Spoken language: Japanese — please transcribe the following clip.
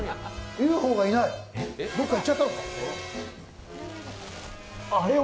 ＵＦＯがいない、どっか行っちゃったのか。